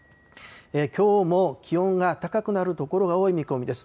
きょうも気温が高くなる所が多い見込みです。